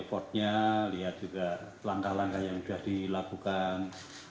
reportnya lihat juga langkah langkah yang sudah dilakukan